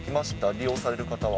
利用される方は。